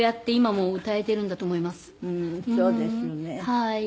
はい。